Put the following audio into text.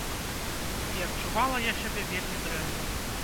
І адчувала я сябе вельмі дрэнна.